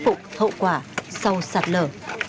để giúp phục hậu quả sau sạt lở